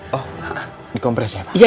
di kompres ya pak